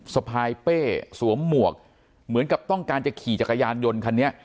สะพายเป้สวมหมวกเหมือนกับต้องการจะขี่จักรยานยนต์คันนี้